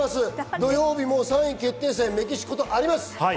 土曜日も３位決定戦、メキシコとあります。